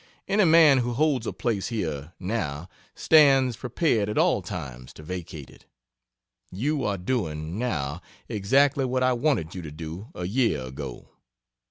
Any man who holds a place here, now, stands prepared at all times to vacate it. You are doing, now, exactly what I wanted you to do a year ago.